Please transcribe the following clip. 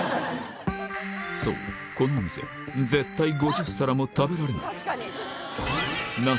そう、このお店、絶対５０皿も食べられない。